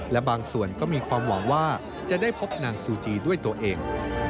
และบางส่วนก็มีความหวังว่าจะได้พบนางซูจีด้วยตัวเอง